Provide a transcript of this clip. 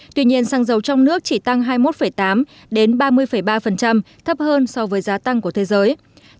tuy nhiên xăng dầu trong nước chỉ tăng hai mươi một tám đến ba mươi ba thấp hơn so với giá tăng của thế giới